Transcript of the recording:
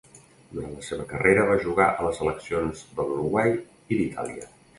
Durant la seva carrera va jugar a les seleccions de l'Uruguai i d'Itàlia .